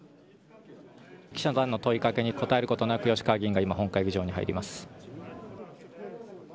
記者団の問いかけに答えることなく、吉川議員が本会議場に入ります。